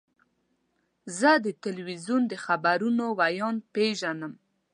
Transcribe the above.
زه د تلویزیون د خبرونو ویاند پیژنم.